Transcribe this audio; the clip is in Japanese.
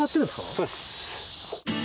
そうです。